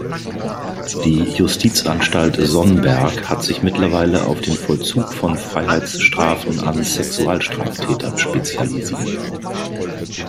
Die Justizanstalt Sonnberg hat sich mittlerweile auf den Vollzug von Freiheitsstrafen an Sexualstraftätern spezialisiert.